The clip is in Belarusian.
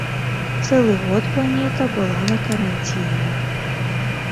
Цэлы год планета была на каранціне.